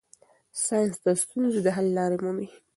ساینس د ستونزو د حل لارې مومي.